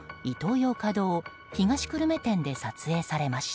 ヨーカドー東久留米店で撮影されました。